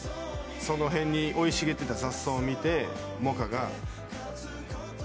その辺に生い茂ってた雑草を見てＭＯＣＡが。